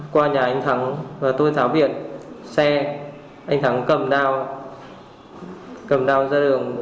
qua nhà anh thắng và tôi tháo biệt xe anh thắng cầm đao cầm đao ra đường